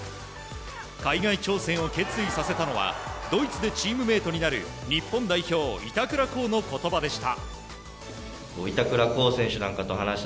海外挑戦を決意させたのはドイツでチームメートになる日本代表、板倉滉の言葉でした。